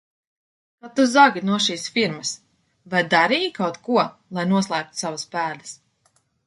Kad tu zagi no šīs firmas, vai darīji kaut ko, lai noslēptu savas pēdas?